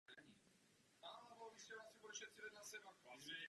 Byl prvním členem královské rodiny v této pozici.